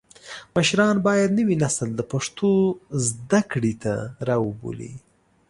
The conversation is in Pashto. مشران باید نوی نسل د پښتو زده کړې ته راوبولي.